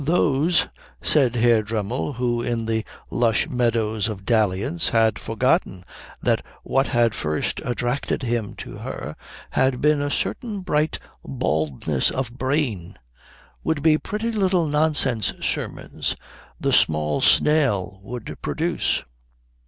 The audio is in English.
"Those," said Herr Dremmel, who in the lush meadows of dalliance had forgotten that what had first attracted him to her had been a certain bright baldness of brain, "would be pretty little nonsense sermons the small snail would produce."